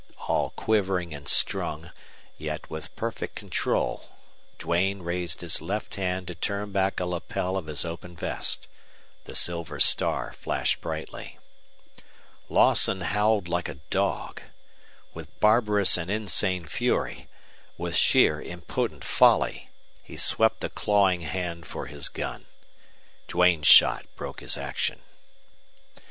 All quivering and strung, yet with perfect control, Duane raised his left hand to turn back a lapel of his open vest. The silver star flashed brightly. Lawson howled like a dog. With barbarous and insane fury, with sheer impotent folly, he swept a clawing hand for his gun. Duane's shot broke his action.